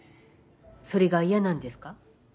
それが嫌なんですか？